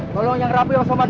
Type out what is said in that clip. tolong yang rapi pak somad ya